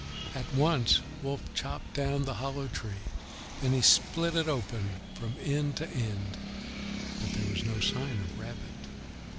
At once Wolf chopped down the hollow tree. Then he split it open from end to end. But there was no sign of Rabbit.